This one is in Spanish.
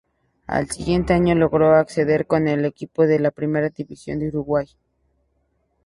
Al siguiente año logró ascender con el equipo a la Primera División de Uruguay.